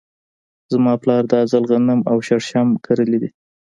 زما پلار دا ځل غنم او شړشم کرلي دي .